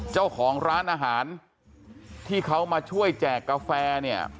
เจ้าของร้านอาหารที่เขามาช่วยแจกกาแฟเนี่ย